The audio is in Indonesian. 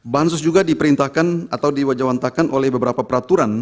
bahan sos juga diperintahkan atau diwajahwantakan oleh beberapa peraturan